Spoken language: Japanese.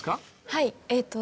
はい。